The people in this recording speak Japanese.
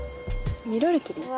見られてる？